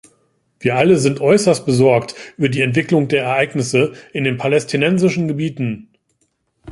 Wir alle sind äußerst besorgt über die Entwicklung der Ereignisse in den palästinensischen Gebieten.